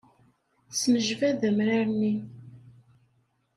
Tesnejbad amrar-nni.